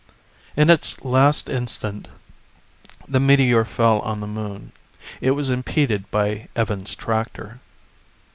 In its last instant, the meteor fell on the Moon. It was impeded by Evans' tractor.